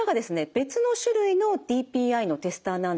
別の種類のＤＰＩのテスターなんですけれども。